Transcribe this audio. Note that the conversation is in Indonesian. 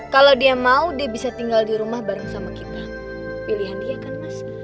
kalau dia mau dia bisa tinggal di rumah bareng sama kita pilihan dia kan mas